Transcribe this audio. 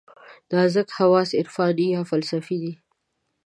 نازک حواس عرفاني یا فلسفي دي.